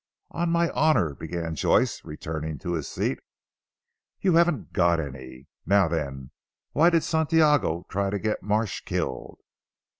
"On my honour " began Joyce returning to his seat. "You haven't got any. Now then, why did Santiago try to get Marsh killed?"